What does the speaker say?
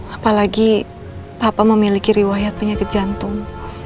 apalagi papa memiliki riwayat penyakit jantung